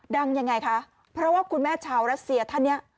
ยังไงคะเพราะว่าคุณแม่ชาวรัสเซียท่านเนี่ย